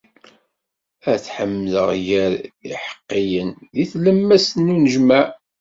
Ad t-ḥemdeɣ gar yiḥeqqiyen, di tlemmast n unejmaɛ.